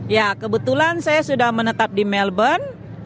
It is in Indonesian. ya kebetulan saya sudah menetap di melbourne